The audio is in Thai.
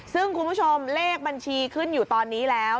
ซึ่งคุณผู้ชมเลขบัญชีขึ้นอยู่ตอนนี้แล้ว